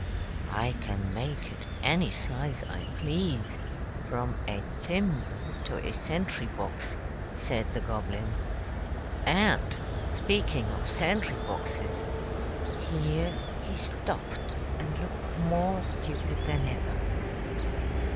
"I can make it any size I please, from a thimble to a sentry box," said the Goblin. "And, speaking of sentry boxes" here he stopped and looked more stupid than ever.